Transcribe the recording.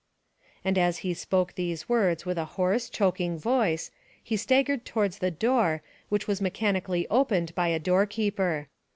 And as he spoke these words with a hoarse, choking voice, he staggered towards the door, which was mechanically opened by a door keeper.